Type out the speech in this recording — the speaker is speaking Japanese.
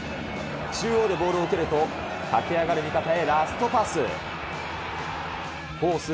中央でボールを受けると、駆け上がる味方にラストパス。